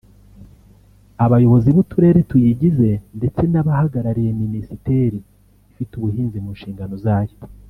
abayobozi b’uturere tuyigize ndetse n’abahagarariye Minisiteri ifite ubuhinzi mu nshingano zayo